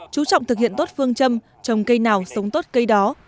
chú trọng thực hiện tốt phương châm trồng cây nào sống tốt cây đó